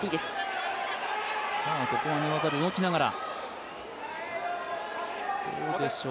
ここは寝技で動きながら。